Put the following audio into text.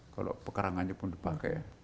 kalau pekerangannya pun dipakai ya